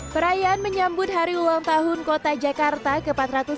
perayaan menyambut hari ulang tahun kota jakarta ke empat ratus sembilan puluh